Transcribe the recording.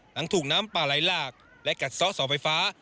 หลังถูกน้ำป่าไหลหลากและกัดซ่อเสาไฟฟ้า